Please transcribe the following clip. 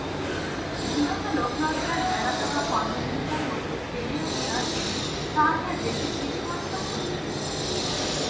ইহাকে লোকলজ্জার-বেড়া-দেওয়া কর্মহীনতার মধ্যে ফেলিয়া দিয়া গেলে তাহাতে দেশের কিছুমাত্র ক্ষতি নাই?